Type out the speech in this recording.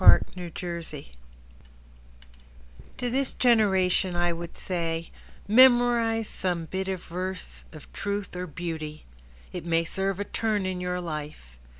Mrs. George Reece To this generation I would say: Memorize some bit of verse of truth or beauty. It may serve a turn in your life.